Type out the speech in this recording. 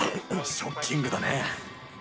ショッキングだね。